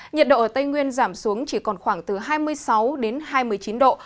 nhiệt độ ở tây nguyên giảm xuống chỉ còn khoảng hai mươi sáu hai mươi chín độ